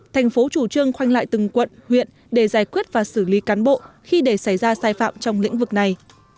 thành phố chủ trương khoanh lại từng quận huyện để giải quyết và xử lý cán bộ khi để xảy ra sai phạm trong lĩnh vực này